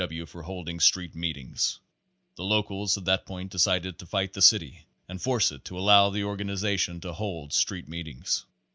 W. for holding street meetings. The locals at that point decided to fight the city and force it to allow the organization to hold street meetings.